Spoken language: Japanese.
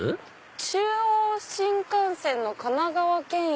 「中央新幹線の神奈川県駅」。